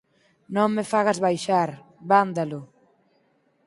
Non me fagas baixar, vándalo.